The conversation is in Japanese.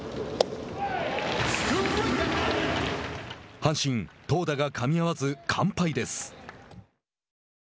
阪神、投打がかみ合わず完敗です。